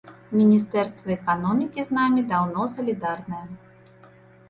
Міністэрства эканомікі з намі даўно салідарнае.